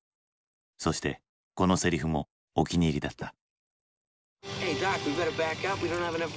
そしてこのセリフもお気に入りだった。